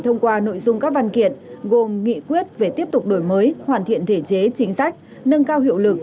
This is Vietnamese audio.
thông qua nội dung các văn kiện gồm nghị quyết về tiếp tục đổi mới hoàn thiện thể chế chính sách nâng cao hiệu lực